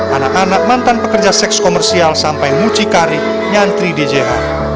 anak anak mantan pekerja seks komersial sampai mucikari nyantri di jh